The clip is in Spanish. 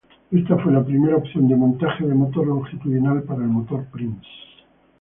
Esta fue la primera opción de montaje de motor longitudinal para el motor Prince.